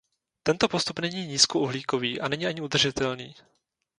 Tento postup není nízkouhlíkový a není ani udržitelný.